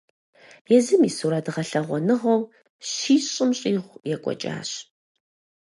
Езым и сурэт гъэлъэгъуэныгъэу щищым щӀигъу екӀуэкӀащ.